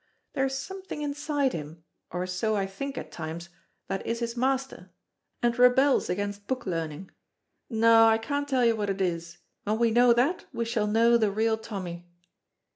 There is something inside him, or so I think at times, that is his master, and rebels against book learning. No, I can't tell what it is; when we know that we shall know the real Tommy."